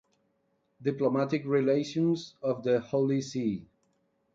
Diplomatic Relations of the Holy See